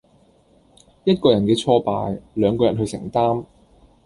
一個人嘅挫敗，兩個人去承擔